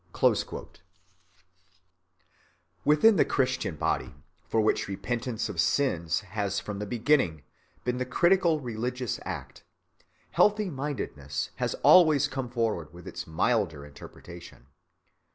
(66) Within the Christian body, for which repentance of sins has from the beginning been the critical religious act, healthy‐mindedness has always come forward with its milder interpretation.